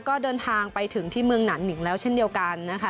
ก็เดินทางไปถึงที่เมืองหนานหนิงแล้วเช่นเดียวกันนะคะ